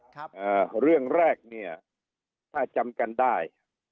ครับเรื่องแรกถ้าจำกันได้